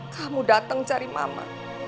kamu datang cari mama